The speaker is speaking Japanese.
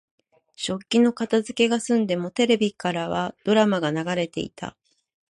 食器の片づけが済んでも、テレビからはドラマが流れていた。